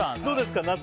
どうですか？